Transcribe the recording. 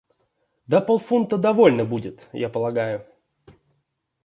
Да полфунта довольно будет, я полагаю.